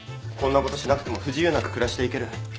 こんなことしなくても不自由なく暮らしていける。